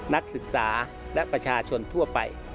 นักศึกษาและประชาชนทั่วไป